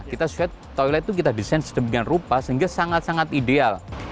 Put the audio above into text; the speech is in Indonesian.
kita swab toilet itu kita desain sedemikian rupa sehingga sangat sangat ideal